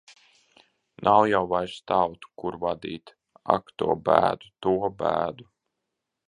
Nav jau vairs tautu, kur vadīt. Ak, to bēdu! To bēdu!